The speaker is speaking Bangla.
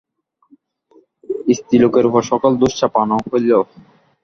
স্ত্রীলোকের উপর সকল দোষ চাপান হইল।